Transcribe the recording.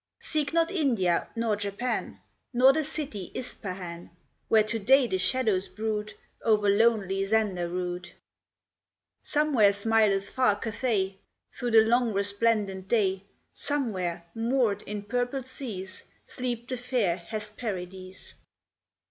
Seek not India nor Japan, Nor the city Ispahan, Where to day the shadows brood Over lonely Zendarood. Somewhere smileth far Cathay Through the long resplendent day ; Somewhere, moored in purple seas. Sleep the fair Hesperides.